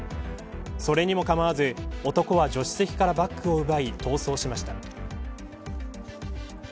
それにも構わず男は助手席からバッグを奪い逃走しました。